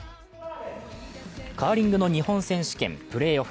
カーリングの日本選手権プレーオフ。